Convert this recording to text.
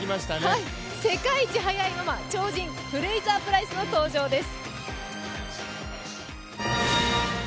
世界一速いママ、超人フレイザープライスの登場です。